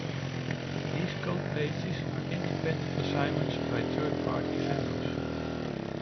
These code pages are independent assignments by third party vendors.